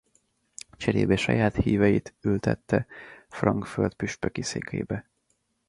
Cserébe saját híveit ültette Frankföld püspöki székeibe.